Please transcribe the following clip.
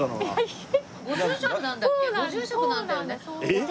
えっ！？